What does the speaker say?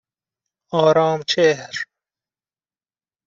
آرامچهر